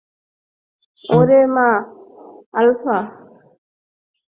Omega, alpha!